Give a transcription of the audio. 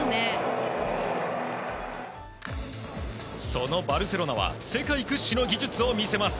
そのバルセロナは世界屈指の技術を見せます。